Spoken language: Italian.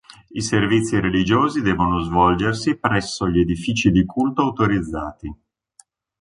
I servizi religiosi devono svolgersi presso gli edifici di culto autorizzati.